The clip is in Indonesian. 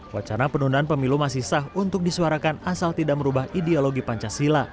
wacana penundaan pemilu masih sah untuk disuarakan asal tidak merubah ideologi pancasila